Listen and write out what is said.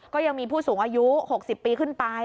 ก็ยังมีผู้สูงอายุ๖๐ปีขึ้นไป